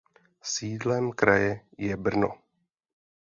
Sídlem kraje je Brno.